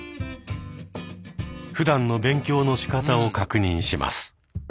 ふだんの勉強のしかたを確認します。